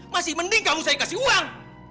masih mending kamu saya kasih uang